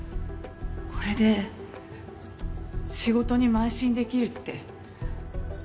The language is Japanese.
これで仕事に邁進できるって。